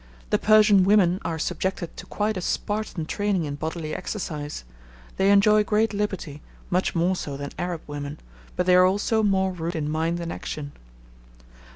The Persian women are subjected to quite a Spartan training in bodily exercise; they enjoy great liberty, much more so than Arab women, but they are also more rude in mind and action.